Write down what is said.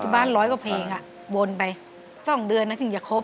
บ้านร้อยกว่าเพลงวนไป๒เดือนนะถึงจะครบ